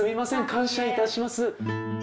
感謝いたします。